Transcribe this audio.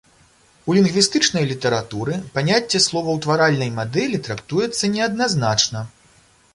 У лінгвістычнай літаратуры паняцце словаўтваральнай мадэлі трактуецца неадназначна.